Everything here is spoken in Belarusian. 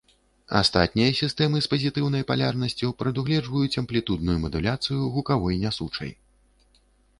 Астатнія сістэмы з пазітыўнай палярнасцю прадугледжваюць амплітудную мадуляцыю гукавой нясучай.